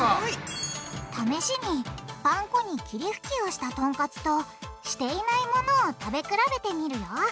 試しにパン粉に霧吹きをしたトンカツとしていないものを食べ比べてみるよ